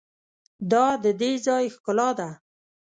دا د دې ځای ښکلا ده.